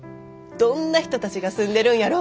どんな人たちが住んでるんやろうって。